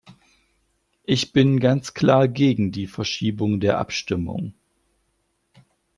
Ich bin ganz klar gegen die Verschiebung der Abstimmung.